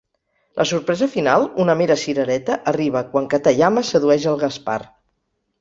La sorpresa final, una mera cirereta, arriba quan Katayama sedueix el Gaspar.